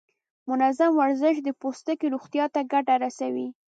منظم ورزش د پوستکي روغتیا ته ګټه رسوي.